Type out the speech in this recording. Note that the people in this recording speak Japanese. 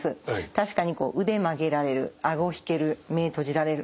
確かに腕曲げられる顎引ける目閉じられる。